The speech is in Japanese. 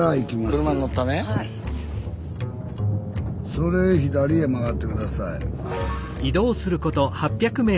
それ左へ曲がって下さい。